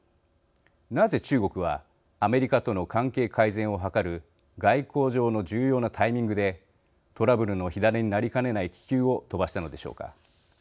なぜ中国は、アメリカとの関係改善を図る外交上の重要なタイミングでトラブルの火種になりかねない気球を飛ばしたのでしょうか。